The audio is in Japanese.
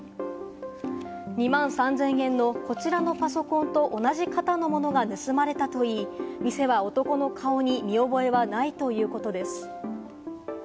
２万３０００円のこちらのパソコンと同じ型のものが盗まれたといい、店は男の顔に見覚えはないということです。